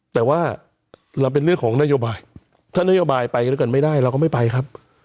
แต่ว่าเราเป็นเรื่องของนโยบายถ้านโยบายไปด้วยกันไม่ได้เราก็ไม่ไปครับ